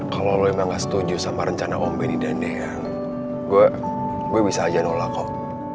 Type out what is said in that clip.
kalau lu emang setuju sama rencana om benny dan dea gue gue bisa aja nolak kok